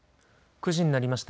９時になりました。